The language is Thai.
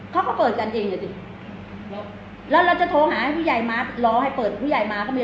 เขาก็เปิดกันจริงอ่ะสิแล้วเราจะโทรหาให้ผู้ใหญ่มารอให้เปิดผู้ใหญ่มาก็มี